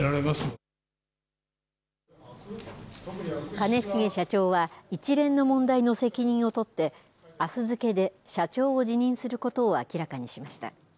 兼重社長は、一連の問題の責任を取って、あす付けで社長を辞任することを明らかにしました。